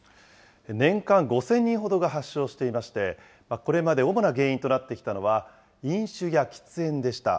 年間５０００人ほどが発症していまして、これまで主な原因となってきたのは、飲酒や喫煙でした。